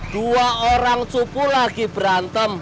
dua orang suku lagi berantem